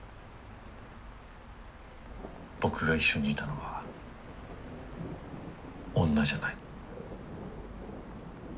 僕が一緒にいたのは女じゃない。